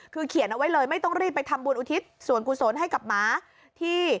คือเขียนเอาไว้เลยไม่ต้องรีบไปทำบุญอุทิศส่วนกุศลให้กับหมาที่